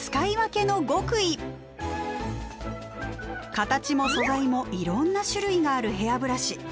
形も素材もいろんな種類があるヘアブラシ。